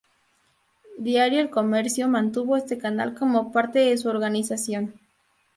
Diario El Comercio mantuvo este canal como parte de su organización.